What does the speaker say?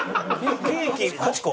ケーキ８個？